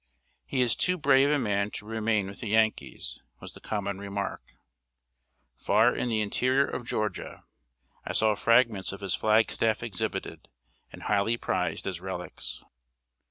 "He is too brave a man to remain with the Yankees," was the common remark. Far in the interior of Georgia, I saw fragments of his flag staff exhibited, and highly prized as relics.